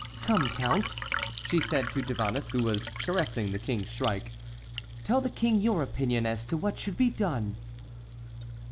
"Come, count," she said to Tavannes, who was caressing the King's shrike, "tell the King your opinion as to what should be done."